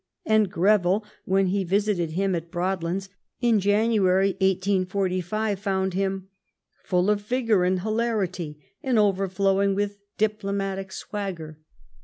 And Oreville, when he visited him at Broadlands in January 1845, found him :— Foil of vigoar and hilarity and overflowing with diplomatic swagger.